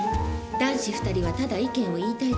男子２人はただ意見を言いたいだけ。